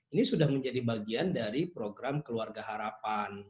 ini sudah menjadi bagian dari program keluarga harapan